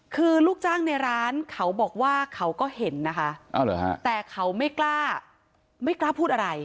คือลูกจ้างในร้านเขาบอกว่าเขาก็เห็นนะคะแต่เขาไม่กล้าไม่กล้าพูดอะไร